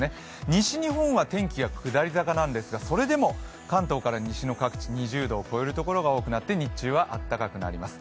西日本は天気が下り坂なんですが、それでも関東から西の各地、２０度を超えるところが多くなって日中はあったかくなります。